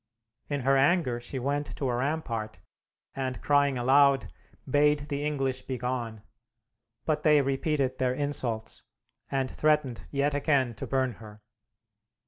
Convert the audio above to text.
In her anger she went to a rampart, and, crying aloud, bade the English begone; but they repeated their insults, and threatened yet again to burn her.